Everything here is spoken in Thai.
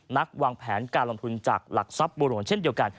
วางแผนการลงทุนจากหลักทรัพย์บัวหลวงเช่นเดียวกัน